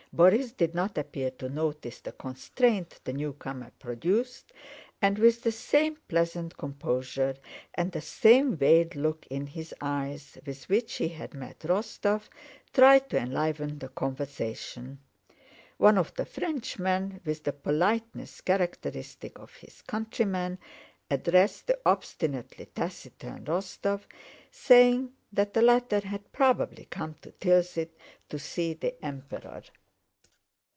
Borís did not appear to notice the constraint the newcomer produced and, with the same pleasant composure and the same veiled look in his eyes with which he had met Rostóv, tried to enliven the conversation. One of the Frenchmen, with the politeness characteristic of his countrymen, addressed the obstinately taciturn Rostóv, saying that the latter had probably come to Tilsit to see the Emperor.